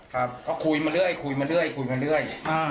ครับก็คุยมาเรื่อยคุยมาเรื่อยคุยมาเรื่อย